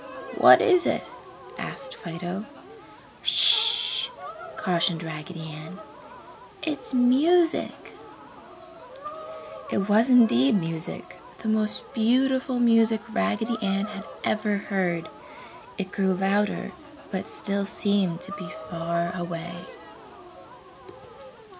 "What is it?" asked Fido. "Sh!" cautioned Raggedy Ann, "It's music." It was indeed music, the most beautiful music Raggedy Ann had ever heard. It grew louder, but still seemed to be far away.